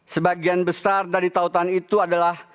sebagian besar dari tautan itu adalah